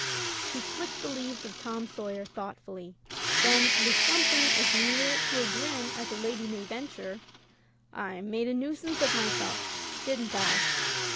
'' She flicked the leaves of "Tom Sawyer" thoughtfully, then, with something as near to a grin as a lady may venture: "I made a nuisance of myself, didn't I